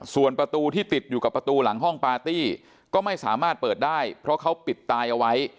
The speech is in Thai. ส่วนประตูที่ติดอยู่กับประตูหลังห้องปาร์ตี้ก็ไม่สามารถเปิดได้เพราะเขาปิดตายเอาไว้